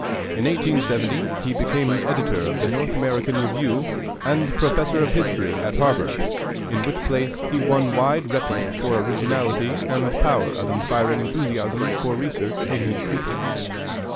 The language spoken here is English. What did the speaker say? In 1870 he became editor of the North American Review and Professor of History at Harvard, in which place he won wide repute for originality and power of inspiring enthusiasm for research in his pupils.